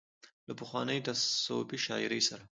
له پخوانۍ تصوفي شاعرۍ سره